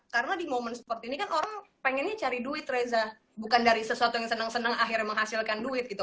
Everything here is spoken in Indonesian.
karena di momen seperti ini kan orang pengennya cari duit reza bukan dari sesuatu yang seneng seneng akhirnya menghasilkan duit gitu